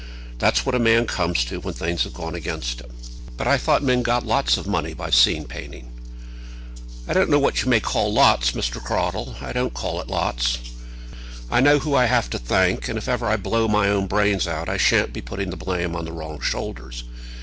That's what a man comes to when things have gone against him." "But I thought men got lots of money by scene painting?" "I don't know what you may call lots, Mr. Cradell; I don't call it lots. But I'm not complaining. I know who I have to thank; and if ever I blow my own brains out I shan't be putting the blame on the wrong shoulders.